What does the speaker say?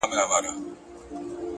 لوړ فکر نوې نړۍ انځوروي